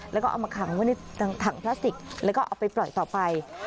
แล้วก็เอามาขังไว้ในถังพลาสติกแล้วก็เอาไปปล่อยต่อไป